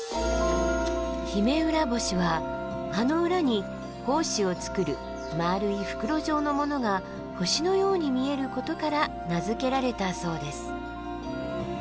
ヒメウラボシは葉の裏に胞子をつくる丸い袋状のものが星のように見えることから名付けられたそうです。